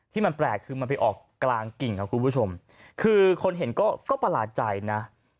ที่มันแปลกคือมันไปออกกลางกิ่งครับคุณผู้ชมคือคนเห็นก็ประหลาดใจนะ